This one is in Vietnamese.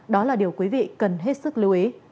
đó là điều quý vị cần hết sức lưu ý